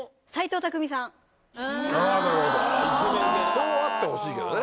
そうあってほしいけどね。